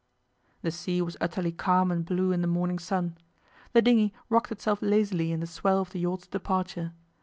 The sea was utterly calm and blue in the morning sun. The dinghy rocked itself lazily in the swell of the yacht's departure.